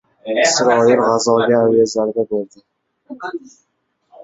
Isroil G‘azoga aviazarba berdi